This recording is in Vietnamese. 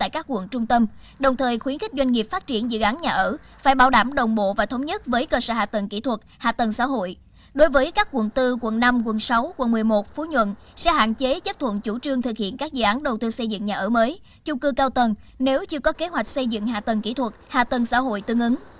các quận bốn quận năm quận sáu quận một mươi một phú nhuận sẽ hạn chế chấp thuận chủ trương thực hiện các dự án đầu tư xây dựng nhà ở mới chung cư cao tầng nếu chưa có kế hoạch xây dựng hạ tầng kỹ thuật hạ tầng xã hội tương ứng